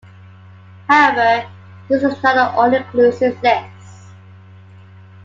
However, this is not an all-inclusive list.